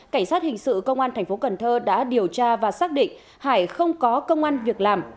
cảnh sát hình sự công an tp cn đã điều tra và xác định hải không có công an việc làm